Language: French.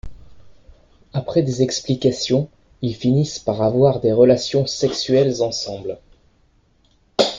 Après des explications, ils finissent par avoir des relations sexuelles ensemble.